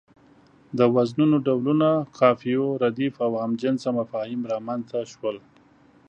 د وزنونو ډولونه، قافيو، رديف او هم جنسه مفاهيم رامنځ ته شول.